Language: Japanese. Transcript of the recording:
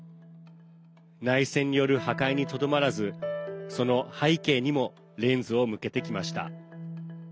内戦による破壊にとどまらずその背景にもレンズを向けてきました。